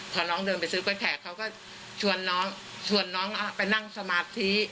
พอน้องเดินไปซื้อกล้วแขกเขาก็ชวนน้องชวนน้องไปนั่งสมาธิ